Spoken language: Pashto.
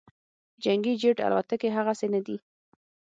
جنګي جیټ الوتکې هغسې نه دي